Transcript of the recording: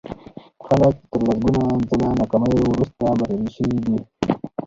خلک تر سلګونه ځله ناکاميو وروسته بريالي شوي دي.